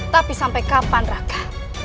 tapi sampai kapan raka